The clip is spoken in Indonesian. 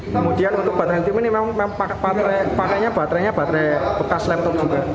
kemudian untuk baterai tim ini memang pakainya baterainya baterai bekas laptop juga